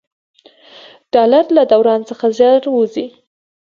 ډالر له دوران څخه ژر ووځي.